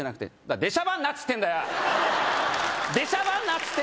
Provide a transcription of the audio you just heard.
出しゃばんなっつってんだよ！